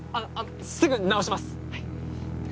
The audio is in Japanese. すぐ直します。